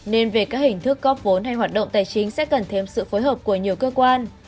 nên về các hình thức góp vốn hay hoạt động tài chính sẽ cần thêm sự phối hợp của nhiều cơ quan